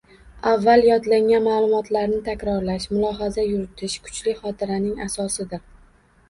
Avval yodlangan ma’lumotlarni takrorlash, mulohaza yuritish kuchli xotiraning asosidir.